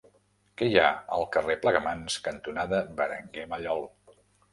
Què hi ha al carrer Plegamans cantonada Berenguer Mallol?